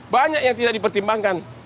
banyak yang tidak dipertimbangkan